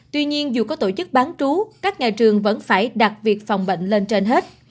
tuy nhiên dù có tổ chức bán trú các nhà trường vẫn phải đặt việc phòng bệnh lên trên hết